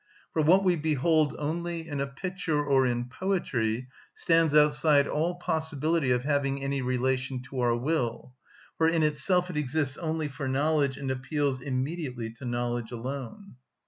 For what we behold only in a picture or in poetry stands outside all possibility of having any relation to our will; for in itself it exists only for knowledge and appeals immediately to knowledge alone.